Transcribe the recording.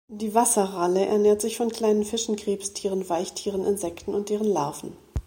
Die Wasserralle ernährt sich von kleinen Fischen, Krebstieren, Weichtieren, Insekten und deren Larven.